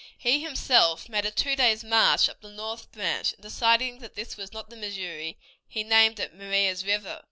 He himself made a two days' march up the north branch, and deciding that this was not the Missouri, he named it Maria's River.